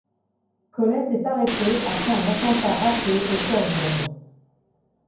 Colette est arrêtée après un attentat raté au cœur de Londres.